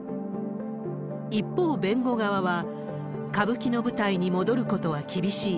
一方、弁護側は、歌舞伎の舞台に戻ることは厳しい。